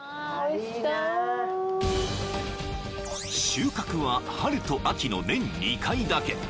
［収穫は春と秋の年２回だけ］